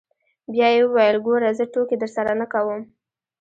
بيا يې وويل ګوره زه ټوکې درسره نه کوم.